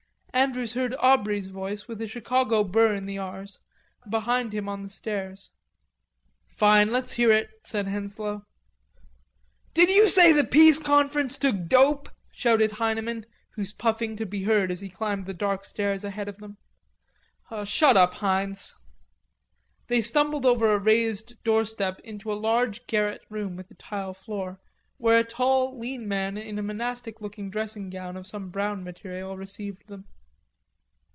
Andrews heard Aubrey's voice with a Chicago burr in the r's behind him in the stairs. "Fine, let's hear it," said Henslowe. "Did you say the Peace Conference took dope?" shouted Heineman, whose puffing could be heard as he climbed the dark stairs ahead of them. "Shut up, Heinz." They stumbled over a raised doorstep into a large garret room with a tile floor, where a tall lean man in a monastic looking dressing gown of some brown material received them.